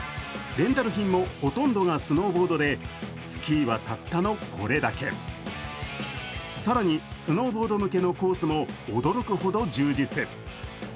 レンタル品もほとんどがスノーボードで、スキーはたったのこれだけ更に、スノーボード向けのコースも驚くほど充実。